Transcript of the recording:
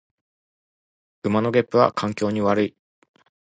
牛のげっぷは環境に悪い